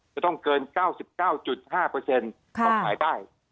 จะต้องเกิน๙๙๕ของหมายได้